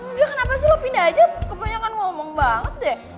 udah kenapa suruh pindah aja kebanyakan ngomong banget deh